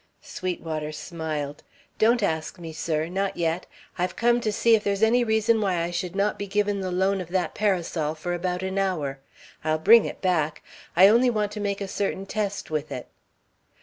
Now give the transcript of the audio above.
Sweetwater smiled. "Don't ask me, sir, not yet. I've come to see if there's any reason why I should not be given the loan of that parasol for about an hour. I'll bring it back. I only want to make a certain test with it."